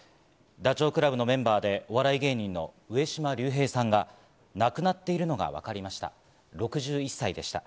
ダチョウ倶楽部のメンバーでお笑い芸人の上島竜兵さんが亡くなっているのが分かりました。